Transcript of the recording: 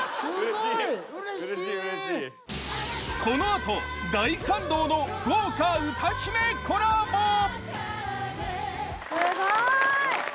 このあと大感動の豪華歌姫コラボ！